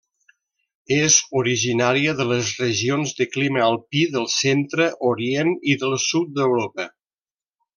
És originària de les regions de clima alpí del centre, orient i del sud d'Europa.